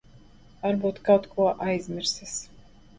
Varbūt kaut ko aizmirsis.